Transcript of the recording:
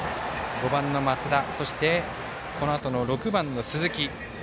５番の松田そして、このあとの６番の鈴木。